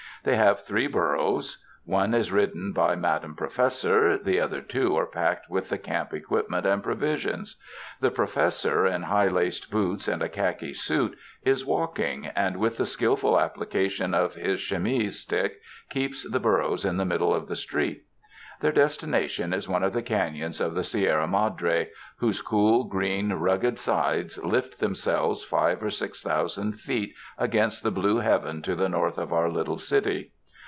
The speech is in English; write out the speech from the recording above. They have three burros. One is ridden by Madam 71 UNDEK THE SKY IN CALIi^OKNlA Professor; the other two are packed with the camp equipment and provisions. The Professor in high laced shoes and a khaki suit is walking and with the skillful application of his chamise stick keeps the burros in the middle of the street. Their destina tion is one of the caiions of the Sierra Madre, whose cool, green, rugged sides lift themselves five or six thousand feet against the blue heaven to the north of our little city.